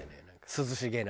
涼しげな。